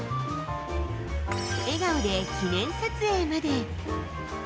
笑顔で記念撮影まで。